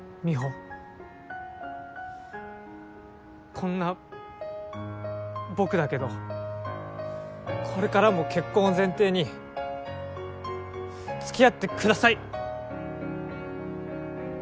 こんな僕だけどこれからも結婚を前提に付き合ってください。